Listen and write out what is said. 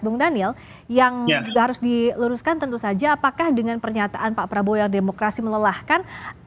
bung daniel yang juga harus diluruskan tentu saja apakah dengan pernyataan pak prabowo yang demokrasi melelahkan